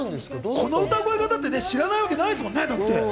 この歌声、知らないわけないですよね。